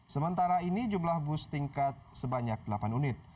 sementara ini jumlah bus tingkat sebanyak delapan unit